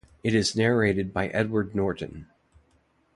It is narrated by Edward Norton.